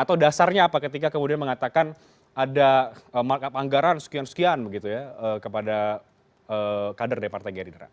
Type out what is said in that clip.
atau dasarnya apa ketika kemudian mengatakan ada markup anggaran sekian sekian begitu ya kepada kader dari partai gerindra